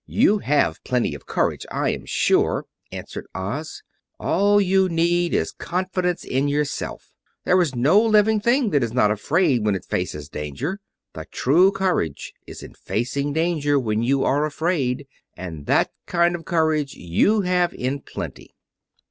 "You have plenty of courage, I am sure," answered Oz. "All you need is confidence in yourself. There is no living thing that is not afraid when it faces danger. The True courage is in facing danger when you are afraid, and that kind of courage you have in plenty."